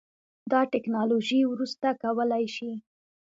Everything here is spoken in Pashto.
دا ټیکنالوژي وروسته کولی شي